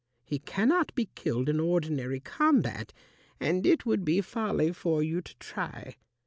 He cannot be killed in ordinary combat, and it would be folly for you to try.